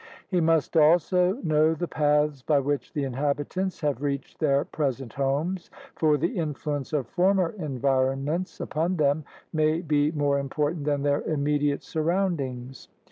He must also know the paths by which the inhabitants have reached their present homes, for the influence of former environments upon them may be more im portant than their immediate surroundings.